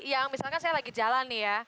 yang misalkan saya lagi jalan nih ya